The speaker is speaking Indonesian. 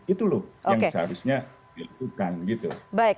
itu loh yang seharusnya dilakukan gitu